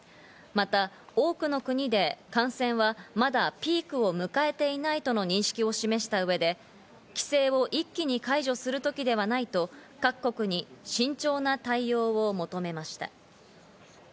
また多くの国で感染は、まだピークを迎えていないとの認識を示した上で、規制を一気に解除する時ではないと各国に慎重な対応を求めました。